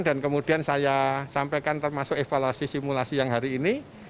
dan kemudian saya sampaikan termasuk evaluasi simulasi yang hari ini